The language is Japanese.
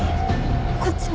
こっちも。